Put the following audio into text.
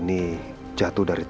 mungkin aku harus berhati hati